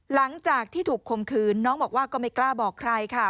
หลังจากที่ถูกคมคืนน้องบอกว่าก็ไม่กล้าบอกใครค่ะ